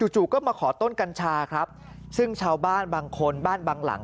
จู่ก็มาขอต้นกัญชาครับซึ่งชาวบ้านบางคนบ้านบางหลัง